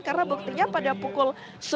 karena buktinya pada pukul sembilan